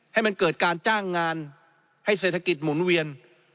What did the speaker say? ให้มันเกิดการจ้างงานให้เศรษฐกิจหมุนเวียน